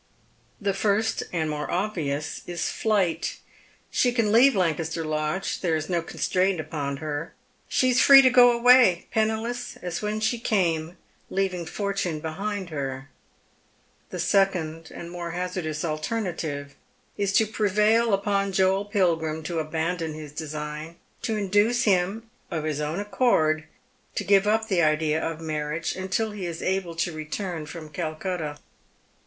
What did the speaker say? The first and more obvious is flight. She can leave Lancaster Lodge. There is no constraint upon her. Sho is free to go away, penniless as when she came, leaving fortune behind her. The second and more hazardous alternative is to prevail upon Joel Pilgiim to abandon his design ; to induce him, of his own accord, to give up the idea of marriage until he is able to return from Calcutta.